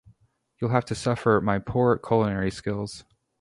You'll have to suffer my poor culinary skills.